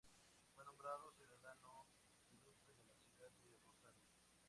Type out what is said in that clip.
Fue nombrado Ciudadano Ilustre de la ciudad de Rosario.